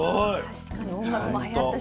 確かに音楽もはやったし。